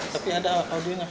tapi ada auditornya